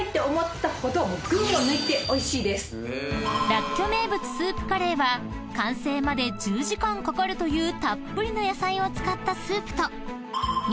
［らっきょ名物スープカレーは完成まで１０時間かかるというたっぷりの野菜を使ったスープと］